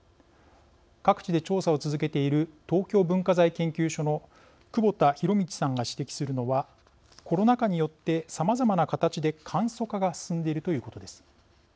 各地で調査を続けている東京文化財研究所の久保田裕道さんが指摘するのはコロナ禍によってさまざまな形で簡素化が進んでいるということです。